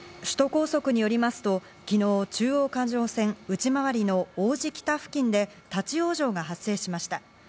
首都高速によりますと昨日、中央環状線内回りの王子北付近で立ち往生が発生しました。